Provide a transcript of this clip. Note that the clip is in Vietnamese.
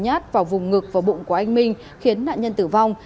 nhát vào vùng ngực và bụng của anh minh khiến nạn nhân tử vong